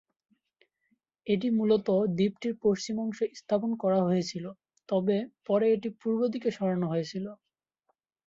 এটি মূলত দ্বীপটির পশ্চিম অংশে স্থাপন করা হয়েছিল, তবে পরে এটি পূর্ব দিকে সরানো হয়েছিল।